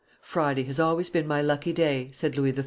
"Friday has always been my lucky day," said Louis XIII.